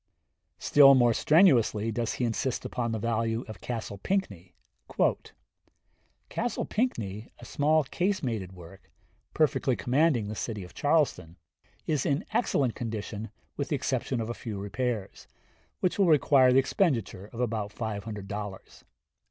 Still more strenuously does he insist upon the value of Castle Pinckney. "Castle Pinckney, a small casemated work, perfectly commanding the city of Charleston, is in excellent condition with the exception of a few repairs, which will require the expenditure of about five hundred dollars....